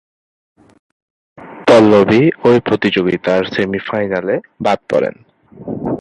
পল্লবী ঐ প্রতিযোগিতার সেমিফাইনালে বাদ পরেন।